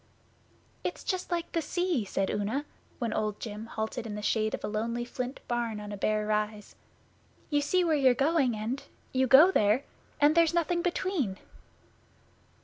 'It's Just like the sea,' said Una, when Old Jim halted in the shade of a lonely flint barn on a bare rise. 'You see where you're going, and you go there, and there's nothing between.